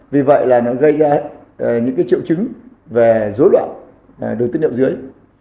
vì vậy là nó gây ra những cái triệu chứng về rối loạn đường tiến liệu dưới